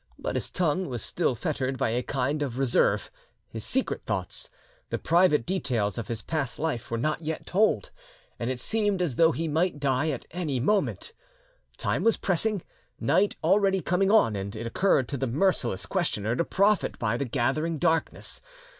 But his tongue was still fettered by a kind of reserve: his secret thoughts, the private details of his past life were not yet told, and it seemed as though he might die at any moment. Time was passing, night already coming on, and it occurred to the merciless questioner to profit by the gathering darkness.